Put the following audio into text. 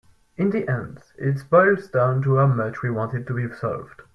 In the end it boils down to how much we want it to be solved.